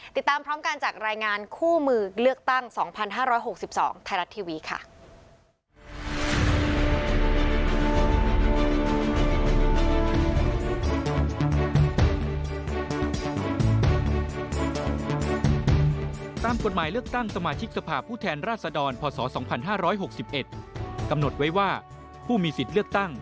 ติดตามพร้อมกันจากรายงานคู่มือเลือกตั้ง๒๕๖๒ไทยรัฐทีวีค่ะ